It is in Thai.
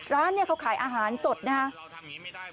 ร้านเนี่ยเขาขายอาหารสดนะครับ